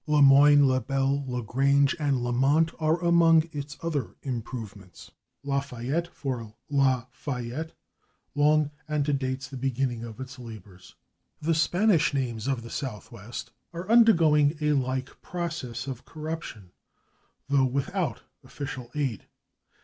/Lamoine/, /Labelle/, /Lagrange/ and /Lamonte/ are among its other improvements; /Lafayette/, for /La Fayette/, long antedates the beginning of its labors. The Spanish names of the Southwest are undergoing a like process of corruption, though without official aid.